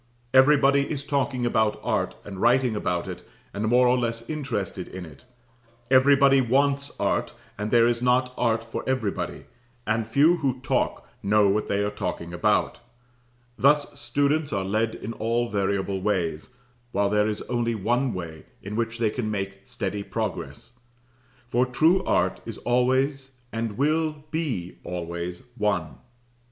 Everybody is talking about art, and writing about it, and more or less interested in it; everybody wants art, and there is not art for everybody, and few who talk know what they are talking about; thus students are led in all variable ways, while there is only one way in which they can make steady progress, for true art is always and will be always one.